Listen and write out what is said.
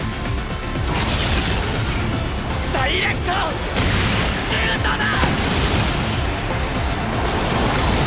ダイレクトシュートだ！